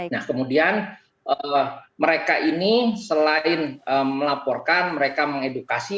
nah kemudian mereka ini selain melaporkan mereka mengedukasi